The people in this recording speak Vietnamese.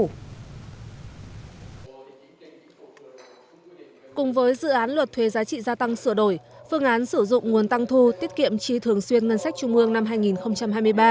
cùng với dự án luật thuê giá trị gia tăng sửa đổi phương án sử dụng nguồn tăng thu tiết kiệm trí thường xuyên ngân sách trung ương năm hai nghìn hai mươi ba